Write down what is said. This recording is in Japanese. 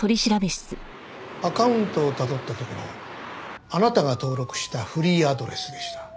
アカウントをたどったところあなたが登録したフリーアドレスでした。